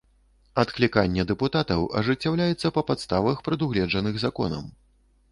Адкліканне дэпутатаў ажыццяўляецца па падставах, прадугледжаных законам.